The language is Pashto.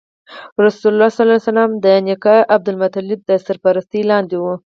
رسول الله ﷺ د نیکه عبدالمطلب تر سرپرستۍ لاندې و.